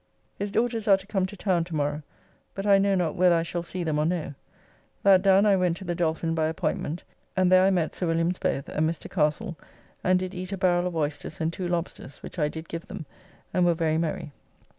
His daughters are to come to town to morrow, but I know not whether I shall see them or no. That done I went to the Dolphin by appointment and there I met Sir Wms. both and Mr. Castle, and did eat a barrel of oysters and two lobsters, which I did give them, and were very merry.